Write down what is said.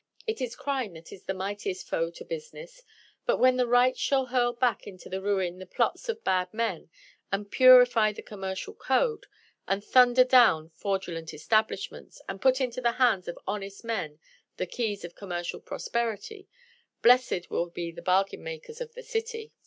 It is crime that is the mightiest foe to business; but when the right shall hurl back into ruin the plots of bad men, and purify the commercial code, and thunder down fraudulent establishments, and put into the hands of honest men the keys of commercial prosperity, blessed will be the bargain makers of the city.